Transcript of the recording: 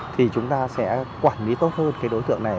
thì chúng ta sẽ quản lý tốt hơn cái đối tượng này